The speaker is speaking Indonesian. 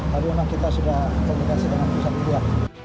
lalu emang kita sudah komunikasi dengan pusat juga